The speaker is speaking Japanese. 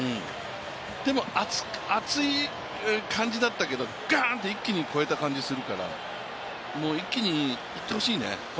でも熱い感じだったけど、ガンと一気に超えた感じするから一気にいってほしいね。